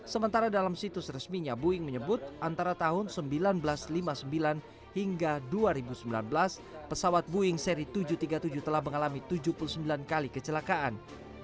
sementara dalam situs resminya boeing menyebut antara tahun seribu sembilan ratus lima puluh sembilan hingga dua ribu sembilan belas pesawat boeing seri tujuh ratus tiga puluh tujuh telah mengalami tujuh puluh sembilan kali kecelakaan